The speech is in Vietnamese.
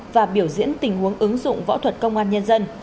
và biểu diễn tình huống ứng dụng võ thuật công an nhân dân